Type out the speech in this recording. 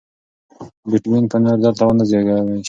بېټکوین به نور دلته ونه زېرمه شي.